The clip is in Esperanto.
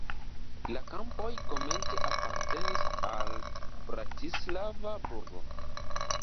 La kampoj komence apartenis al Bratislava burgo.